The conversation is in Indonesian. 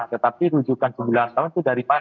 tetapi rujukan sembilan tahun itu dari mana